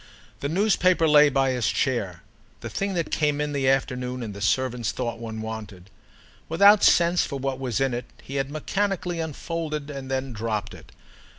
The newspaper lay by his chair—the thing that came in the afternoon and the servants thought one wanted; without sense for what was in it he had mechanically unfolded and then dropped it.